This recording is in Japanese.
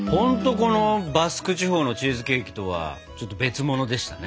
このバスク地方のチーズケーキとはちょっと別物でしたね。